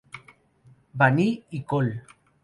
Bani y col.